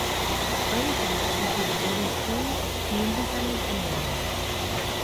Early projects included building schools, community centers, and roads.